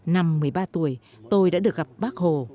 năm một mươi ba tuổi tôi đã được gặp bác hồ